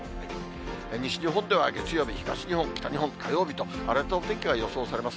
西日本では月曜日、東日本、北日本、火曜日と、荒れたお天気が予想されます。